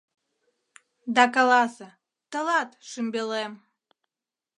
Да каласе: «Тылат, шӱмбелем!»